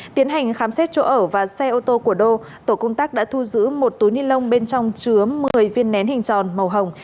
tiến hành khám xét chỗ ở và xe ô tô của đô tổ công tác đã thu giữ một túi ni lông bên trong chứa một mươi viên nén hình tròn màu hồng